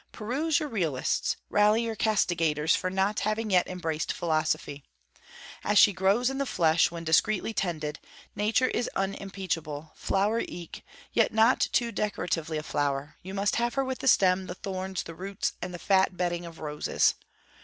Peruse your Realists really your castigators for not having yet embraced Philosophy. As she grows in the flesh when discreetly tended, nature is unimpeachable, flower eke, yet not too decoratively a flower; you must have her with the stem, the thorns, the roots, and the fat bedding of roses.